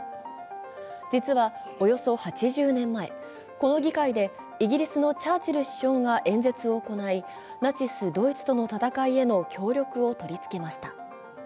実はおよそ８０年前、この議会でイギリスのチャーチル首相が演説を行いナチス・ドイツとの戦いへの協力を取り付けました。